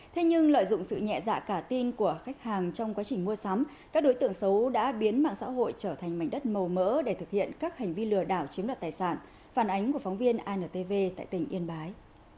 thế nhưng lợi dụng sự nhẹ dạ cả tin của khách hàng trong quá trình mua sắm các đối tượng xấu đã biến mạng xã hội trở thành mảnh đất màu mỡ để thực hiện các hành vi lừa đảo chiếm đoạt tài sản phản ánh của phóng viên intv tại tỉnh yên bái